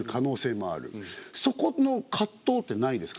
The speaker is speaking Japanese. そこの葛藤ってないですか？